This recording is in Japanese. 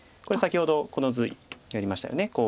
これ先ほどこの図やりましたよね。